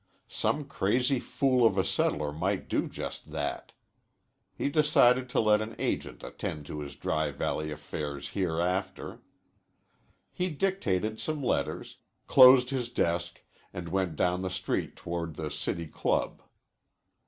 Some crazy fool of a settler might do just that. He decided to let an agent attend to his Dry Valley affairs hereafter. He dictated some letters, closed his desk, and went down the street toward the City Club.